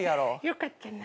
良かったな。